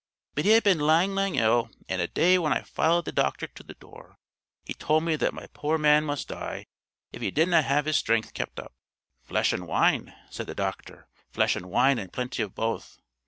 But he had been lang lang ill; and ae day when I followed the doctor to the door, he told me that my poor man must die if he didna have his strength kept up. 'Flesh and wine,' said the doctor, 'flesh and wine and plenty of both.